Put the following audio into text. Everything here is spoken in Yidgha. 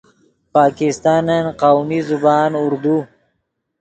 پاکستانن قومی زبان اردو